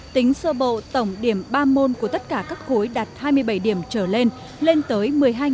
tính sơ bộ tổng điểm ba môn của tất cả các khối đạt hai mươi bảy điểm trở lên lên tới một mươi hai năm trăm linh